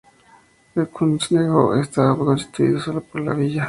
El concejo estaba constituido sólo por la villa.